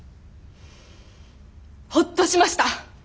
ホッとしました。